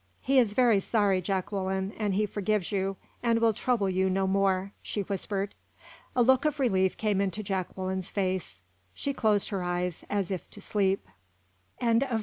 "He is very sorry, Jacqueline, and he forgives you and will trouble you no more," she whispered. A look of relief came into Jacqueline's face. She closed her eyes as if to sleep. CHAPTER XII.